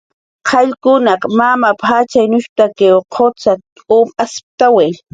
"Qayllkunaq utn mamp"" jatxyanushp""tak qucxat"" um asptawi"